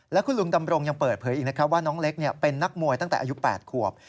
และคุณลุงดำรงยังเปิดเผยอีกนะครับว่าน้องเล็กเป็นนักมวยตั้งแต่อายุ๘ขวบ